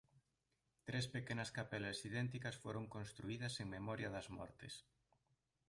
Tres pequenas capelas idénticas foron construídas en memoria das mortes.